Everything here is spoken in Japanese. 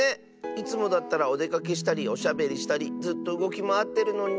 いつもだったらおでかけしたりおしゃべりしたりずっとうごきまわってるのに。